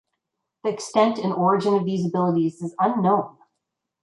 The extent and origin of these abilities is unknown.